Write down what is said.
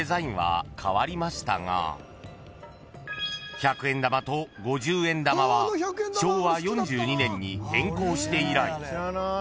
［１００円玉と５０円玉は昭和４２年に変更して以来］